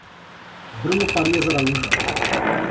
Bruno Farias Araújo